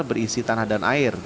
berisi tanah dan air